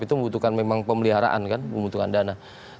itu membutuhkan memang pemeliharaan kan membutuhkan dana